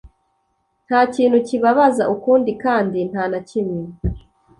Nta kintu kibabaza ukundi kandi nta na kimwe